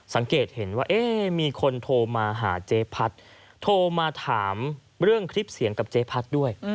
สังเกตเห็นว่ามีคนโทรมาหาเจ๊พัดโทรมาถามเรื่องคลิปเสียงกับเจ๊พัดด้วย